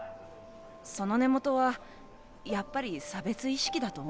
その根元はやっぱり差別意識だと思う。